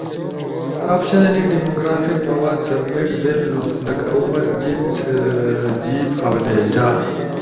اپشنلی ڈیموگرافک مواد سبمیٹ بیلنو[لکہ عمر، جنس، جیب، اؤ لہجہ]۔